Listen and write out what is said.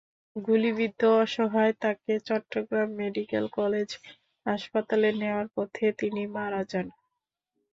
গুলিবিদ্ধ অবস্থায় তাঁকে চট্টগ্রাম মেডিকেল কলেজ হাসপাতালে নেওয়ার পথে তিনি মারা যান।